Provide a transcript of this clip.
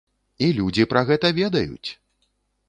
І людзі пра гэта ведаюць!